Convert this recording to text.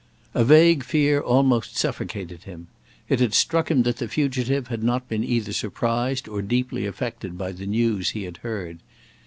A vague fear almost suffocated him. It had struck him that the fugitive had not been either surprised or deeply affected by the news he had heard.